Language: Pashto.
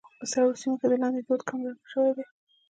په سړو سيمو کې د لاندي دود کمرنګه شوى دى.